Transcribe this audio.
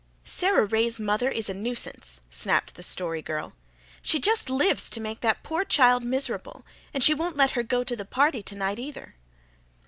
"Sara Ray's mother is a nuisance," snapped the Story Girl. "She just lives to make that poor child miserable, and she won't let her go to the party tonight, either."